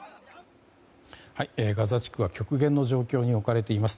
ガザ地区は極限の状況に置かれています。